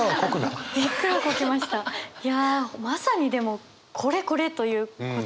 いやまさにでもこれこれ！ということですね。